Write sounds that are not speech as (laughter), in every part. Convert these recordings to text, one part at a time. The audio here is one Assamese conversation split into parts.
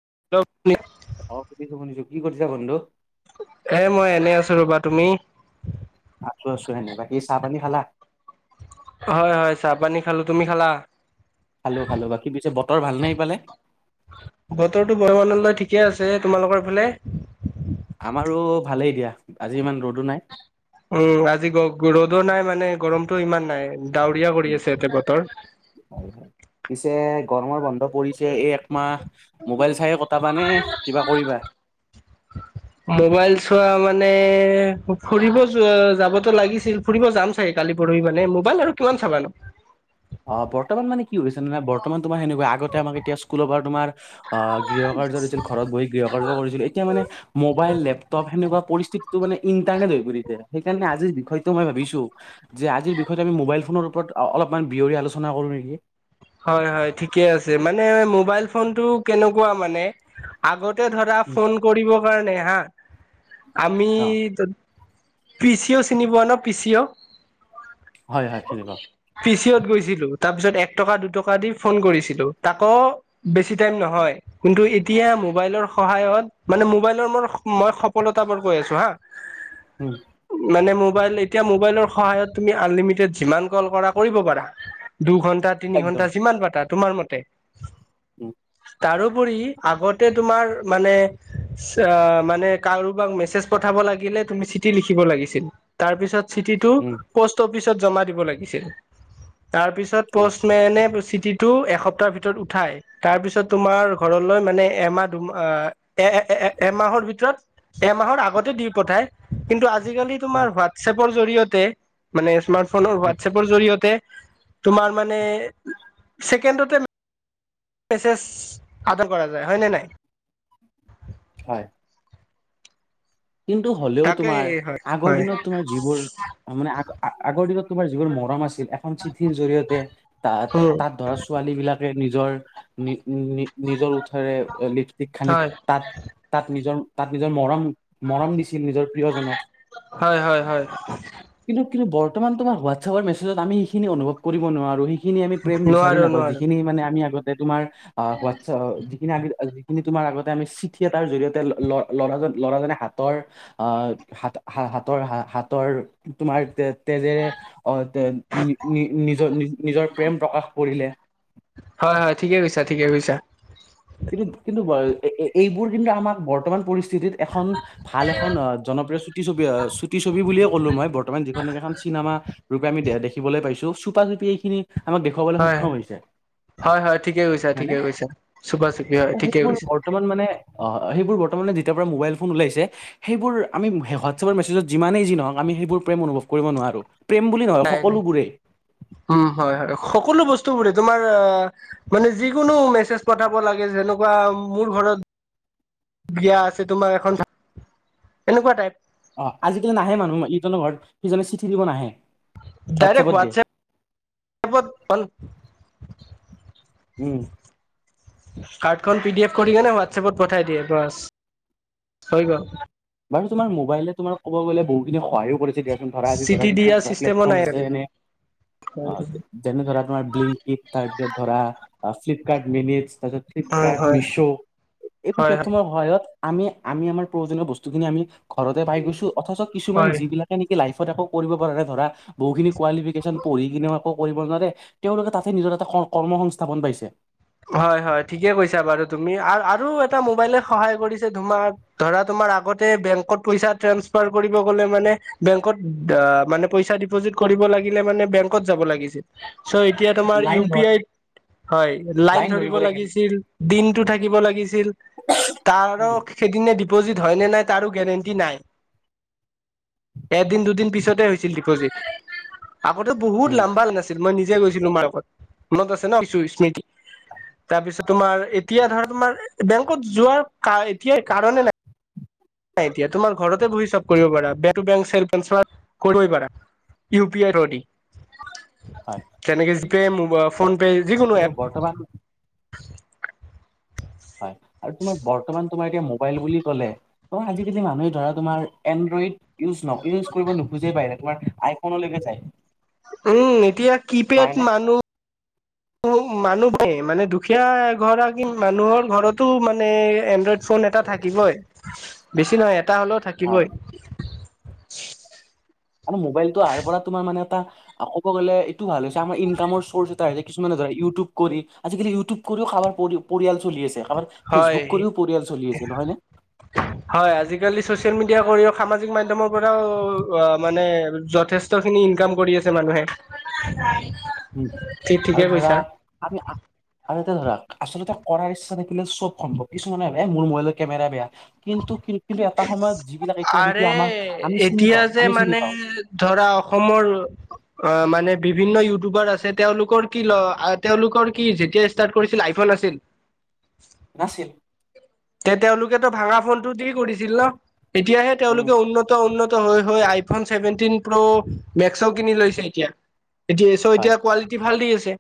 (unintelligible) অ সুধিছো শুনিছো কি কৰিছা বন্ধু এ মই এনেই আছো ৰবা তুমি আছো আছো এনে বাকি চাহ পানী খালা হয় হয় চাহ পানী খালো তুমি খালা খালো খালো বাকী পিছে বতৰ ভালনে ইফালে বতৰটো বৰমানলয় ঠিকে আছে যে তোমালোকৰ এইফালে আমাৰো ভালেই দিয়া আজি ইমান ৰদো নাই উম আজি গ ৰ'দো নাই মানে গৰমতটো ইমান নাই ডাৱৰীয়া কৰি উম, আছে এতে হয় হয় বতৰ পিছে গৰমৰ বন্ধ পৰিছে এই একমাহ মোবাইল চাইয়ে কটাবা নে কিবা কৰিবা মোবাইল চোৱা মানে ফুৰিব যোৱা যাবতো লাগিছিল ফুৰিব যাম চাগে কা কালি পৰহি মানে মবাইল আৰু কিমান চাবা ন অ বৰ্তমান মানে কি হৈছে জানা না বৰ্তমান তোমাৰ সেনেকুৱা আগতে আমাক এতিয়া স্কুলৰ পৰা তোমাৰ আ গৃহ কাৰ্য কৰিছিল ঘৰত বহি গৃহ কাৰ্য কৰিছিল এতিয়া মানে মোবাইল লেপটপ সেনেকুৱা পৰিস্থিতিটো মানে ইণ্টাৰনেট হই পৰিছে সেইকাৰণে আজিৰ বিষয়টো মই ভাবিছোঁ যে আজিৰ বিষয়টো আমি মোবাইল ফোনৰ ওপৰত অলপমান বিয়ৰি আলোচনা কৰোঁ নেকি হয় হয় ঠিকে আছে মানে মোবাইল ফোনতটো কেনেকুৱা মানে আগত ধৰা উম, ফোন কৰিব কাৰণে হা আমি অ পি চি ও চিনি পোৱা ন পি চি ও হয় হয় খেলিব পি চি ওত গৈছিলো তাৰপিছত এক দুটকা দি ফোন কৰিছিলো তাকো বেছি টাইম নহয় কিন্তু এতিয়া মোবাইলৰ সহায়ত মানে মোবাইলৰ মোৰ মই সফলতাবোৰ কই আছো হা উম মানে মোবাইল এতিয়া মোবাইলৰ সহায়ত তুমি আনলিমিটেড যিমান কল কৰা কৰিব পাৰা দু'ঘণ্টা তিনি একদম ঘন্টা যিমান পাতা তোমাৰ মতে উম তাৰোপৰি আগতে তোমাৰ মানে চা মানে কাৰোবাক মেছেজ পঠাব লাগিলে তুমি চিঠি লিখিব লাগিছিল তাৰপিচত চিঠিটো উম পষ্ট অফিচত জমা দিব লাগিছিল তাৰপিছত হয় পষ্ট এনে প সিঠিটো এক সপ্তাহ ভিতৰত উঠাই তাৰপিছত তোমাৰ ঘৰলৈ মানে এমাহ দুমাহ এ এ এমাহৰ ভিতৰত এমাহৰ আগতে দি পঠায় কিন্তু আ আজিকালি উম তোমাৰ হোৱাটছেপৰ জৰিয়তে মানে স্মাৰ্টফোনৰ উম হোৱাটছেপৰ জৰিয়তে তোমাৰ মানে ছেকেণ্ডতে মেছেজ আদৰ কৰা যায় হয়নে নাই হয় কিন্তু হ'লেও তাকেই তোমাৰ হয় আগৰ হয় দিনত তোমাৰ যিবোৰ মানে আগ আগৰ দিনত আগত যিবোৰ মৰম আছিল এখন চিঠিৰ জৰিয়তে, তাহ উম তাহা-তাত ধৰা, ছোৱালীবিলাকে নিজৰ নি-নি-নিজৰ ওঁঠৰে লিপষ্টিক সানি হয় তাত, তাত নিজৰ তাত নিজৰ মৰম, মৰম দিছিল নিজৰ প্ৰিয়জনক। হয় হয় হয় কিন্তু কিন্তু বৰ্তমান তোমাৰ হোৱাটছ'এপৰ মেছেজত আমি ইখিনি অনুভৱ কৰিব নোৱাৰোঁ যিখিনি আমি প্ৰেম বিচাৰি নোৱাৰো নাপাওঁ, নোৱাৰো যিখিনি মানে আমি আগতে তোমাৰ হোৱাটছ কিন্ত আমি যিখিনি তোমাৰ আগতে আমি চিঠি এটাৰ জৰিয়তে ল-ল'ৰাজন-ল'ৰাজনে হাতৰ-অহ হা-হাতৰ-হাতৰ তোমাৰ তে-তেজেৰে ৰে নি-নি-নি-নিজৰ-নিজৰ প্ৰেম প্ৰকাশ কৰিলে। হয়, হয়। ঠিকে কৈছা, ঠিকে কৈছা। কিন্তু, কিন্তু এ-এ- এইবোৰ কিন্তু আমাক বৰ্তমান পৰিস্থিতি চিঠিত এখন, ভাল এখন অহ জনপ্ৰিয় চুটি ছবি হয়, চুটি ছবি বুলিয়ে ক'লো মই, বৰ্তমান যিখন এখন চি চিনেমা ৰূপে আমি দে-দেখিবলৈ পাইছো চুপা চুপি এইখিনি আমাক দেখুৱাবলৈ হয় সক্ষম হৈছে, হয় হয় ঠিকে কৈছা হয়নে? ঠিকে কৈছা চুপা চুপি হয় ঠিকে সেইটো কৈছা বৰ্তমান মানে অ', সেইবোৰ বৰ্তমানে যেতিয়াৰ পৰা মোবাইল ফোন ওলাইছে, সেইবোৰ আমি হ-হোৱাট'ছ এপ মেছেজত যিমানেই যি নহওঁক আমি সেইবোৰ প্ৰেম অনুভৱ কৰিব নোৱাৰোঁ। প্ৰেম বুলি নহয়, নাই নাই সকলোবোৰেই। উম হয় হয় সকলো বস্তুবোৰে, তোমাৰ অহ মানে যিকোনো মেছেজ পঠাব লাগে, যেনেকুৱা মোৰ ঘৰত (inaudible) বিয়া আছে, তোমাৰ এখন এনেকুৱা টাইপ। অ', আজিকালি নাহে মানুহ, ইজনৰ ঘৰত সিজনে চিঠি দিব নাহে। হোৱাটছএপত ডাইৰেক্ট দিয়ে হোৱাট'ছ্ এপত (unintelligible) উম। কাৰ্ডখন পি ডি এফ কৰি কিনে হোৱাটছএপ'ত পঠাই দিয়া, বাচ। হৈ গ'ল। আৰু তোমাৰ মোবাইলে তোমাৰ ক'ব গ'লে, বহুখিন সহায়ো কৰিছে দিয়াচোন ধৰা আজি, ধৰা চিটি কিছুমান, দিয়া ধৰা চিষ্টেমো প্লেটফৰ্ম নাই আছে এনে হয় অ', যেনে, ধৰা, তোমাৰ ব্লিংকিট, তাৰপিছত ধৰা, ফ্লিপকাৰ্ট মিনিটছ। তাৰপিছত হয় ফ্লিপকাৰ্ট, মিছ', এইবোৰ হয় হয় প্লেটফৰ্মৰ সহায়ত আমি আমি আমাৰ প্ৰয়োজনীয় বস্তু যিবিলাক আমি ঘৰতে পাই গৈছোঁ। অথচ কিছুমান আমি হয় যিবিলাকৰ লাই (unintelligible) কৰিব পাৰে, ধৰা, বহুখিনি কোৱালিফিকেচন পঢ়িকিনে একো কৰিব নোৱাৰে, তেওঁলোকে তাতে নিজৰ এটা ক কৰ্মসংস্থাপন পাইছে। হয়, হয়, ঠিকে কৈছা বাৰু তুমি। আৰু আৰু এটা মোবাইলে সহায় কৰিছে তোমাক ধৰা, তোম তোমাৰ মানে আগতে বেংকত পইচা ট্ৰেন্সফাৰ কৰিব গ'লে মানে বেংকত আ' মানে পইচা ডিপ'জিট কৰিব লাগিলে মানে আগতে বেংকত যাব লাগিছিল। চ' এতিয়া তোমাৰ লাইন ইউ পি ধৰ আই ত, হয়। লাইন ধৰিব লাগিছিল, দিনটো থাকিব লাগিছিল। তাৰ উম আৰু (unintelligible) ডিপ'জিট হয় নে নাই, তাৰো গেৰেণ্টি নাই। এদিন-দুদিন পিছতে হৈছিল ডিপ'জিট। আগতে বহুত উম লাম্বা লাইন আছিল। মই নিজে গৈছিলোঁ মাৰ লগত। মনত আছে ন' কিছু স্মৃতি তাৰপিছত তোমাৰ, এতিয়া উম ধৰা, তোমাৰ বেংকত যোৱাৰ কা এতিয়া কাৰণে নাই। নাই এতিয়া। তোমাৰ ঘৰতে বহি সব কৰিব পাৰা। Bank to bank self transfer কৰিবই পাৰা। ইউ পি আই ৰ থ্রো হয় দি। তেনেকে জি পে, মোবা হয় ফোন পে, যিকোনো আৰু এপ বৰ্তমান হয়। আৰু তোমাৰ বৰ্তমান তোমাৰ এতিয়া মোবাইল বুলি ক'লে, তোমাৰ আজি-কালি মানুহে ধৰা, তোমাৰ এই ইউজ-ইউজ-নক ইউজ কৰিব নোখোজেই বাহ, তোমাৰ আইফ'নলৈকে যায়। উম, এতিয়া কি পেড নহয় নে মানুহ (unintelligible) মানুহে মানে দুখীয়া ঘৰৰ কি, মানুহৰ ঘৰতো মানে এনড্ৰ'ইড ফোন এটা থাকিবই হয়, বেছি নহয় এটা হ'লেও হয় থাকিবই। আৰু মোবাইলটো আহাৰ পৰা তোমাৰ মানে এটা ক'ব গ'লে এইটো ভাল হৈছে, আমাৰ ইনকামৰ চ'ৰ্চ তাৰে কিছুমানে ধৰা, ইউটিউব কৰি, আজি-কালি ইউটিউব কৰিও খাবা পৰিয়াল চলি আছে আমাৰ হয় ফেচবুক কৰিও পৰিয়াল চলি আছে নহয় ন হয় আজিকালি চচিয়েল মিডিয়া কৰি সামাজিক মাধ্্যমৰ পৰাও অ মানে যথেষ্ট খিনি ইনকাম কৰি আছে মানুহে উম ঠিক ঠিকে আৰু ধৰা কৈছা আমি আৰু এয়া ধৰা আচলতে কৰাৰ ইচ্ছা থাকিলে চব সম্ভৱ কিছুমানে মোৰ মোবাইলৰ কেমেৰা বেয়া কিন্তু কি কিন্তু এটা সময়ত যিবিলাক এতিয়া নেকি আৰে আমাৰ আমি চিনি পাওঁ আমি চিনি পাওঁ ম বিভিন্ন ইউটিউবাৰ আছে তেওঁলোকৰ কি ল তেওঁলোকৰ কি যেতিয়া ষ্টাৰ্ট কৰিছিল আইফোন আছিল। নাছিল তে তেওঁলোকেতো ভাঙা ফোনটো দি কৰিছিল ন এতিয়াহে উম তেওঁলোকে উন্নত উন্নত আইফোন চছেভেনট প্ৰ মেক্স কিনি লৈছে এতিয়া এতিয়া চ এতিয়া হয় কোৱালিটি ভাল দি আছে।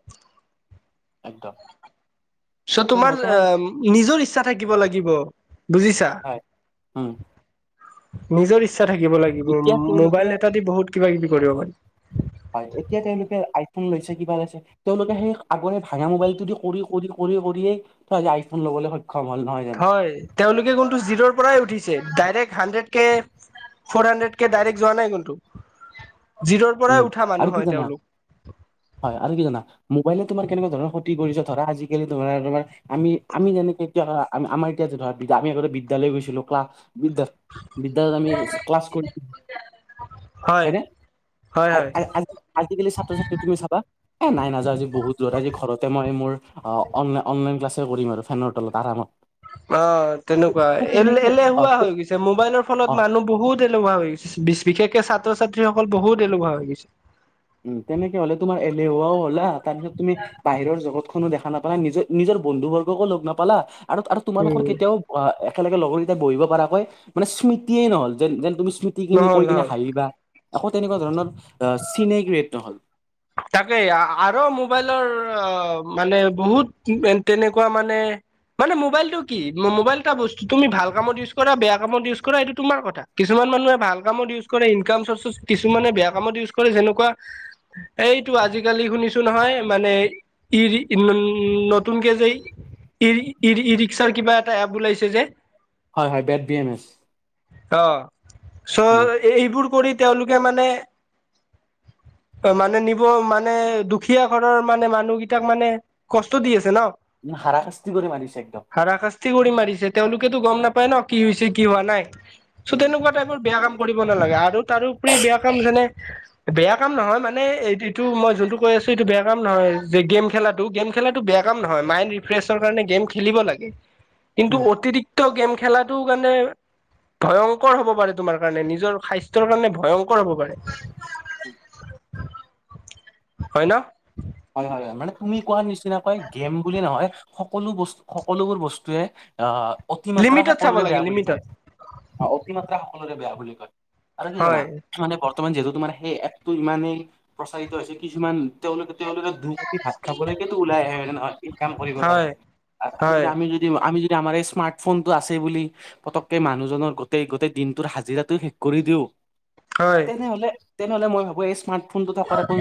একদম ত তোমাৰ বৰ্তমান আহ নিজৰ ইচ্ছা থাকিব লাগিব বুজিছা হয় উম নিজৰ ইচ্ছা থাকিব লাগিব এতিয়া মোবাইল এটা দি বহুত কিবা কিবি কৰিব পাৰি উম হয় এতিয়া তেওঁলোকে আইফোন লৈছে কিবা লৈছে তেওঁলোকে সেই আগৰে ভাঙা মোবাইলটোদি কৰি কৰি কৰি কৰি আইফোন ল'বলৈ সক্ষম হ'ল নহয় জানো হয় তেওঁলোকে কোনু জিৰৰ পৰাই উঠিছে direct hundred K four hundred K direct যোৱা নাই কিন্তু জিৰ'ৰ উম পৰাই উঠা মানুহ আৰু কি হয় জানা তেওঁলোক হয় আৰু কি জানা মোবাইলে তোমাৰ কেনেকুৱা ধৰ ক্ষতি কৰিছে ধৰাজিকালি ধোমৰা তোাৰমি আমি যেনেকে এতিয়া ধ আ আমাৰ এতিয়া যে ধৰা যে আমিগতে বিদ্যালয় গছিলো ক্লা বিদ্যাৰ বিদ্যাৰত আমি ক্লাছ কৰি হয় হয়নে হয় হয় আজিকালি ছাত্ৰ ছাত্ৰ্ৰী তুমি চাবা হ নাই নাজযান আজি বহুত দৰ আজি ঘৰতে মই মোৰ অ অনলাই অনলাইন ক্লাছে কৰিম আৰু ফেনৰ তলত আৰামত অ তেনেকুৱা ত এ তেনেকে অ এলেহুৱা হৈ তে- গৈছে মোবাইলৰ অ ফোনত মানুহ বহুত বহুত এলোভা হৈ গৈছে বিশেষকে ছাত্ৰ ছাত্ৰীসকল বহুত এলভা হৈ গৈছে উম তেনেকে হলে তোমাৰ এলেহুৱাও হ'লা তাৰ পিছত তুমি বাহিৰৰ জগত ো দেখা নাপালা নিজে নিজৰ বন্ধু বৰ্গকো লগ নাপালা আৰু আৰু তোমালোকৰ উম কেতিয়াও একেলগে লগৰকেইটয়া বহিব পৰাকৈ মানে স্মৃতিয়ে নহল যেন যেন তুমি স্মৃতিখিনি নহল কৈ কিনে নহল হাঁহিবা আকৌ তেনেকুৱা ধৰণৰ চিনে ক্ৰিয়েট নহল তাকেই আৰু মোবাইলৰ আহ মানে বহুত তেনেকুৱা মানে মানে মোবাইলটো কি মোবাইল এটা বস্তু তুমি ভাল কামত ইউজ কৰা বেয়া কামত ইউজ কৰা এইটো তোমাৰ কথা কিছুমান কিছুমান মানুহে ভাল কামত ইউজ কৰে ইনকাম চৰ্চ কিছুমানে বেয়া কামত ইউজ কৰে যেনেকুৱা এইটো আজিকালি শুনিছো নহয় মানে ই নতুনক যে ই ই ই ৰিক্সাৰ কিবা এটা এপ ওলাইছে যে হয় হয় বেট বি এম এছ আহ উম, চ' এইবোৰ কৰি তেওঁলোকে মানে অ মানে নিব মানে দুখীয়া ঘৰৰ মানে মানুহকেইটাক মানে কষ্ট দি আছে ন হাৰাশাস্তি কৰি মাৰিছে একদম ি কৰি মাৰিছে তেওঁলোকেতো গম নাপায় ন কি হৈছে কি হোৱা নাই চ' উম, তেনেকুৱা টাইপৰ বেয়া কাম কৰিব নালাগে আৰু তাৰোপৰি বেয়া কাম যেনে বেয়া কাম নহয়। মানে এই এইটো মই যোনটো কৈ আছো এইটো বেয়া কাম নহয় যে গেম খেলাাতটো গেম খেলাটো বেয়া ক নয় মাইণ্ড ফ্ৰেছৰ কাৰণে গেম খেলিব লাগে কিন্তু উম, অতিৰিক্ত গেম খেলাটো কাৰণে ভয়ংকৰ হ'ব পাৰে তোমাৰ কাৰণে নিজৰ স্বাস্থ্যৰ কাৰণে ভয়ংকৰ হব পাৰে উম হয় ন হয় হয় হয় মানে তুমি কোৱাৰ নিচিনাকৈ গেম বুলি নহয় সকলো বস্তু সকলোবোৰ বস্তুৱে অ অ অতিমাত্ৰা লিমিটত চাব সকলোৰে লাগে বেয়া বুলি কয় লিমিটত অ অতিমাত্ৰা সকলোৰে বেয়া বুলি কয় আৰু কি জানা হয় মানে বৰ্তমান যিহেতু তোমাৰ সেই এপটো ইমানেই প্ৰচাৰিত হৈছে কিছুমান তেওঁলোকে তেওঁলোকে দুমুঠি ভাত খাবলৈকেতো ওলাই আহে হয় নহয় এই কাম কৰিব পাৰে হয় আ ততে যদি হয় আমি যদি যদি আমাৰ এই স্মাৰ্টফোনটো আছে বুলি পতককে মানুহজনৰ গোটেই গোটেই দিনটোৰ হাজিৰাটো শেষ কৰি দিও হয় তেনেহলে তেনেহলে মই ভাবো এই স্মাৰ্ট ফোন টো থক একো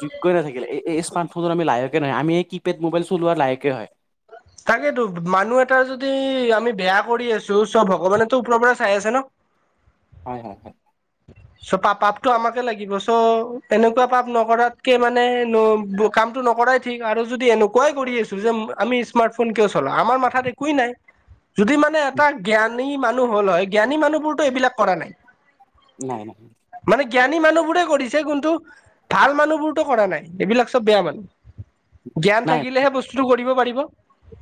যোগয় নাথাকে এই স্মাৰ্টফোনত লাহেকে নহয় আমি এই কি কিপেড মোবাইল চলোৱাৰ লাহেকে হয় তাকেতো মানুহ এটা যদি আমি বেয়া কৰি আছো চব ভগৱানেেতো ওপৰৰ পৰা চাই আছে ন হয়। হয়। হয়। চ' প পাপতটো আমাকে লাগিব চ' এনেকুৱা পাপ নকৰাতকে মানে ন ব কাপ ফোনটো নকৰাই থিক আৰু যদি এনেকুৱাই কৰি আছো যদি আমি স্মাত ফোন কিয় চলাই আমাৰ মাথাত একোই নাই মদি মানে এটা জ্ঞান জ্ঞানী মানুহ হ'ল হয় জ্ঞানী মানুহবোৰতো এইবিলাক কৰা নাই। নাই। নাই। মানে জ্ঞানী মানুহ বোৰে কৰিছে কিন্তু ভাল মানুহ বোৰতো কৰা নাই এইবিলাক চব বেয়া মানুহ জ্ঞান নাই থাকিলেহে বস্তুতটো কৰিব পাৰি।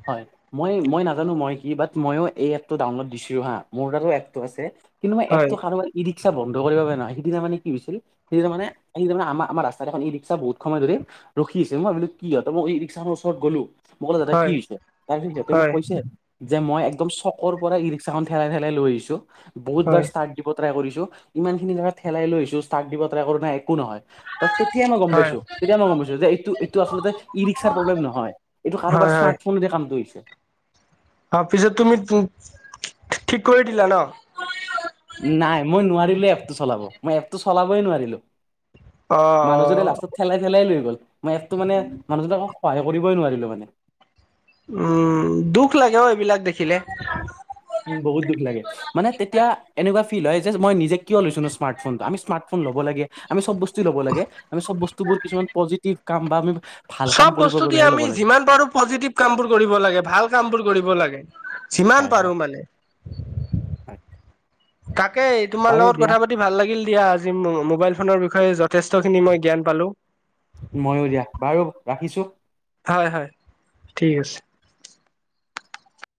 হয় মই মই নাজানো মই কি বাত মইয়ো এই এপটো ডাউনলোড দিছিলোঁ হা মোৰ তাতো এপটো আছে। কিন্তু মই হয় এপটো কাৰোবা গিৰি ৰিক্সান্ধ কৰিব পাৰে নহ সদিনা মানে কি হৈছিল সিদিনা মানে সেইদিনা মে আম আমাৰ ৰাস্তা এখন ইৰিক্সা বহুত সময় ধৰি ৰখি আছে মই ভাবিছোঁ কি হ'ল মই মইৰিক্সাখৰ ওচৰত গলো মোক ক'লে দাদা কি হয় হৈছে তাৰ পিছত তেওঁ মোক হয় কৈছে যে মই একদম চকৰ পৰা ই ৰিক্সাখন ঠেলাই ঠেলাই লৈ আহিছো বহুত বাৰ হয় ষ্টাৰ্ দিব ট্ৰাই কৰিছো ইমান খিনি জেগাত থেলাই লৈ আহিছো ষ্টাক দিব টাই কৰিছো নাই একো নহয় ত তেতিয়াই মই গম হয়। পাইছো তেতিয়া মই গম পাইছো যে এইটো এইটো আচলতে ই ৰিক্সাৰ প্ৰব্লেম নহয় এইটো কাৰোবাৰ হয় হয় স্মাৰ্ট কাম ক ইছে অ পিছত তুমি ঠিক কৰি দিলা ন নাই মই নোৱাৰিলো এপটো চলাব মই এপটো চলাবই নোৱাৰিলো অ অ মানুহজনে লাষ্টত খেলাই খেলাই লৈ গ'ল মই এপটো মানে মানুহজনক সহায় কৰিবই নোৱাৰিলো মানে উম দুখ লাগে অ এইবিলাক দেখিলে উম বহুত দুখ লাগে। মানে তেতিয়া এনেকুৱা ফিল হয় যে মই নিজ কিয় লৈছো স্মাৰ্ফোনটো আমি স্মাৰ্ফোন ল'ব লাগে আমি চব বস্তু ল'ব লাগে আমিব বস্তু বোৰ কিছুমান পজিটিভ কাম বা আমি ভাল কাম চব কৰিবৰ বস্তু দি বাবেহে ল'ব আমি লাগে যিমান পাৰো পজিটিভ কাম বোৰ কৰিব লাগে ভাল কাম বোৰ কৰিব লাগে যিমান হয় হয় পাৰো মানে হয় তাকেই তোমাৰ বাৰু লগত দিয়া কথা পাতি ভাল লাগিল দিয়া আজি মোবাইল ফোনৰ বিষয়ে য যথেষ্ট খিনি মই জ্ঞান পালো ৰাখিছোঁ হয় হয় ঠিক আছে